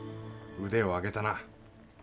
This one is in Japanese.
腕を上げたな。